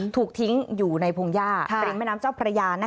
ถูกทิ้งอยู่ในพงหญ้าริมแม่น้ำเจ้าพระยา